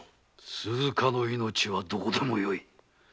鈴加の命はどうでもよい。